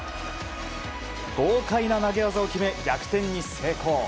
豪快な投げ技を決め逆転に成功。